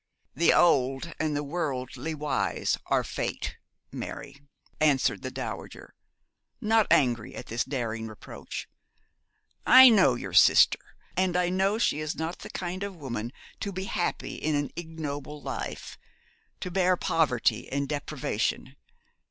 'The old and the worldly wise are Fate, Mary,' answered the dowager, not angry at this daring reproach. 'I know your sister; and I know she is not the kind of woman to be happy in an ignoble life to bear poverty and deprivation.